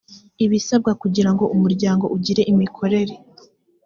ibisabwa kugira ngo umuryango ugire imikorere